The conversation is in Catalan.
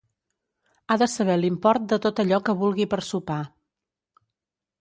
Ha de saber l'import de tot allò que vulgui per sopar.